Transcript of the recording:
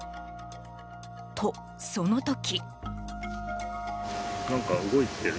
と、その時。